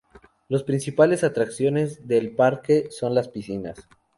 Las principales atracciones del parque son las piscinas.